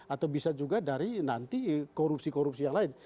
atau bisa juga dari nanti korupsi korupsi yang lain